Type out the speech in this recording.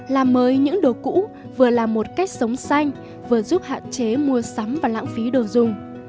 làm mới những đồ cũ vừa là một cách sống xanh vừa giúp hạn chế mua sắm và lãng phí đồ dùng